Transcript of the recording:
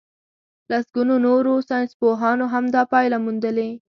لسګونو نورو ساينسپوهانو هم دا پايله موندلې.